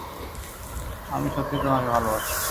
আমি সত্যি তোমাকে ভালোবাসি।